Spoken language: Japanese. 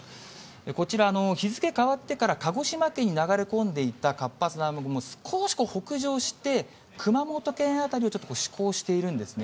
こちら、日付変わってから鹿児島県に流れ込んでいた活発な雨雲、少し北上して、熊本県辺りをちょっと指向しているんですね。